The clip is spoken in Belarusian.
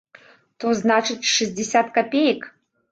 То, значыць, шэсцьдзесят капеек.